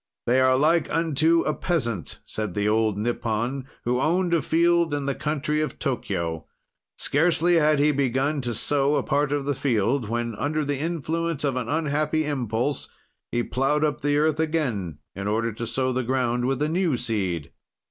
"They are like unto a peasant," said the old Nippon, "who owned a field in the country of Tokio. Scarcely had he begun to sow a part of the field when, under the influence of an unhappy impulse, he plowed up the earth again in order to sow the ground with a new seed.